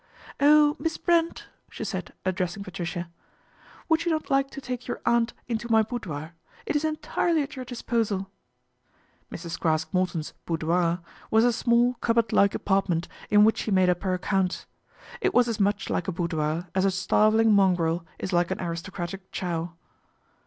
" Oh ! Miss Brent," she said, addressing Patricia, " would you not like to take your aunt into my boudoir ? It is entirely at your disposal." Mrs. Craske Morton's " boudoir " was a small cupboard like appartment in which she made up her accounts. It was as much like a boudoir as a starveling mongrel is like an aristocratic chow.